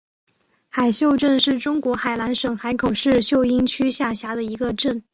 海秀镇是中国海南省海口市秀英区下辖的一个镇。